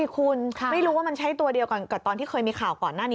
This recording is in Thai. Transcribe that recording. คุณไม่รู้ว่ามันใช้ตัวเดียวกับตอนที่เคยมีข่าวก่อนหน้านี้